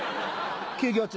休業中